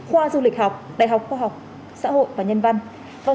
khoa du lịch học đại học khoa học xã hội và nhân văn